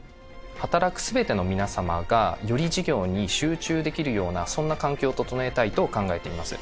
働く全ての皆様がより事業に集中できるようなそんな環境を整えたいと考えています。